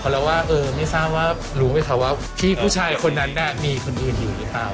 เพราะไม่ทราบว่าพี่ผู้ชายคนนั้นมีคนอื่นอยู่หรือเปล่า